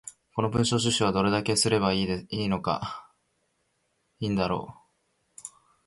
この文章収集はどれだけすれば良いのか